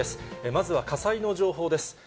まずは火災の情報です。